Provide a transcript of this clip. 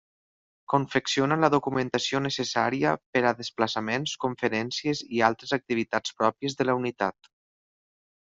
Confecciona la documentació necessària per a desplaçaments, conferències i altres activitats pròpies de la unitat.